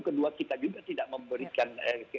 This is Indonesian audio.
kedua kita juga tidak memberikan